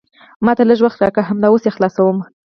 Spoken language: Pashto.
ما ته لیژ وخت راکړه، همدا اوس یې خلاصوم.